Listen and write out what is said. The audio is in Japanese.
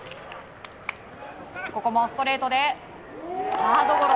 ここもストレートでサードゴロ。